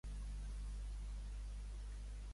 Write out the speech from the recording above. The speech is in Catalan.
Només es va centrar en l'esquí eslàlom?